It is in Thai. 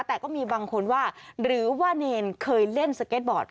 แต่ก็มีบางคนว่าหรือว่าเนรเคยเล่นสเก็ตบอร์ด